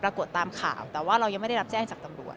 ก็ไม่ได้รับแจ้งจากตำรวจแต่ว่าเรายังไม่ได้รับแจ้งจากตำรวจ